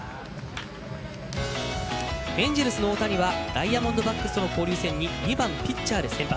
エンジェルスの大谷はダイヤモンドバックスとの交流戦に２番ピッチャーで先発。